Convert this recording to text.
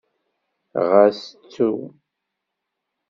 Ɣas ttu.